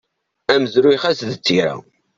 Amezruy xas d tira.